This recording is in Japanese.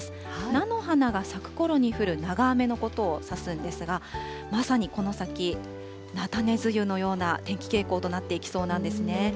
菜の花が咲くころに降る長雨のことを指すんですが、まさにこの先、菜種梅雨のような天気傾向となっていきそうなんですね。